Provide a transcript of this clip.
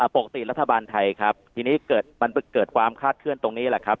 ปกติรัฐบาลไทยครับทีนี้มันเกิดความคาดเคลื่อนตรงนี้แหละครับ